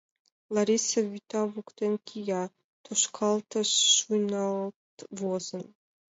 Лариса вӱта воктен кия — тошкалтыш шуйналт возын.